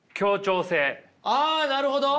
ああなるほど！